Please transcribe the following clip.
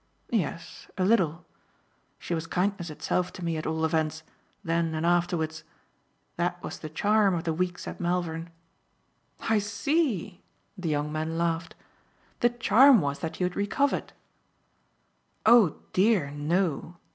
"Yes a little. She was kindness itself to me at all events, then and afterwards. That was the charm of the weeks at Malvern." "I see," the young man laughed. "The charm was that you had recovered." "Oh dear, no!"